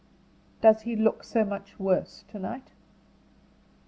"Does he look so much worse to night?"